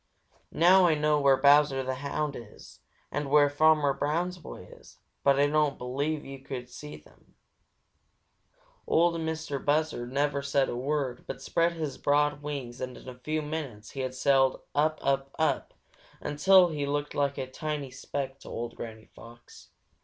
Now I know where Bowser the Hound is and where Farmer Brown's boy is, but I don't believe you can see them," said Granny Fox. Ol' Mistah Buzzard never said a word but spread his broad wings and in a few minutes he had sailed up, up, up until he looked like just a tiny speck to old Granny Fox.